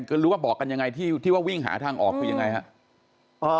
ก็รู้ว่าบอกกันยังไงที่ว่าวิ่งหาทางออกคือยังไงครับ